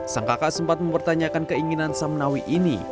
sang kakak sempat mempertanyakan keinginan samnawi ini